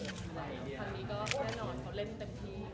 ตอนนี้ก็แน่นอนเขาเล่นเต็มที่